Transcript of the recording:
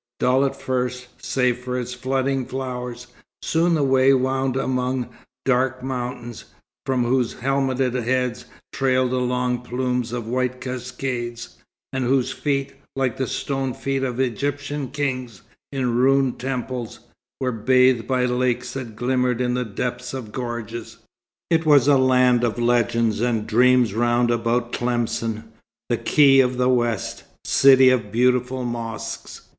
Dull at first, save for its flooding flowers, soon the way wound among dark mountains, from whose helmeted heads trailed the long plumes of white cascades, and whose feet like the stone feet of Egyptian kings in ruined temples were bathed by lakes that glimmered in the depths of gorges. It was a land of legends and dreams round about Tlemcen, the "Key of the West," city of beautiful mosques.